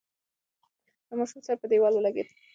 د ماشوم سر په دېوال ولگېد.